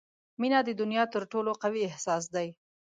• مینه د دنیا تر ټولو قوي احساس دی.